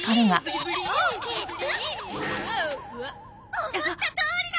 「思ったとおりだ！」